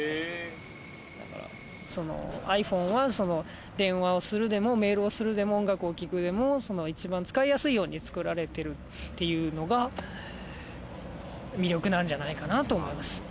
ｉＰｈｏｎｅは電話をするでもメールをするでも音楽を聴くでも一番使いやすいように作られているっていうのが魅力なんじゃないかなと思います。